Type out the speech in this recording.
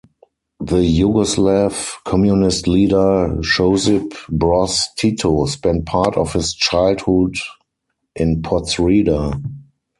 The Yugoslav Communist leader Josip Broz Tito spent part of his childhood in Podsreda.